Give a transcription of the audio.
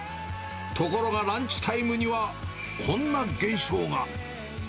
ところがランチタイムには、こんな現象が。